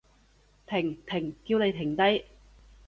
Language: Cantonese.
停！停！叫你停低！